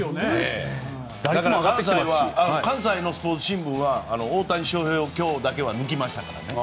だから、関西のスポーツ新聞は大谷翔平を今日だけは抜きましたからね。